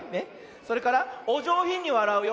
それからおじょうひんにわらうよ。